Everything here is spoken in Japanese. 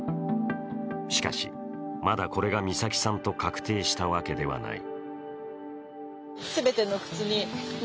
しかし、まだこれが美咲さんと確定したわけではない。